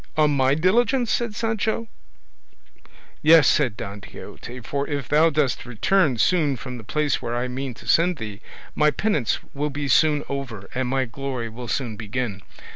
"On my diligence!" said Sancho. "Yes," said Don Quixote, "for if thou dost return soon from the place where I mean to send thee, my penance will be soon over, and my glory will soon begin.